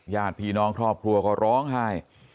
ญาติพี่น้องครอบครัวก็ร้องไห้